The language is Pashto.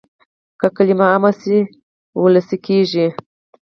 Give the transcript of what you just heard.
که کلمه عامه شي وولسي کېږي.